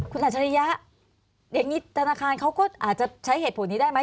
คุณอัจฉริยะอย่างนี้ธนาคารเขาก็อาจจะใช้เหตุผลนี้ได้ไหม